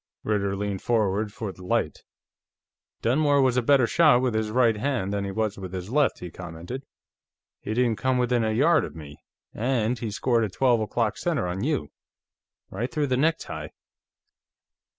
Ritter leaned forward for the light. "Dunmore was a better shot with his right hand than he was with his left," he commented. "He didn't come within a yard of me, and he scored a twelve o'clock center on you. Right through the necktie."